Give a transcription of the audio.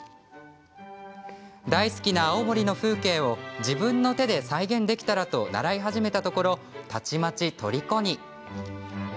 大好きな青森の風景を自分の手で再現できたらと習い始めたところたちまち、とりこに。